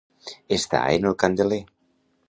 Estar en el candeler.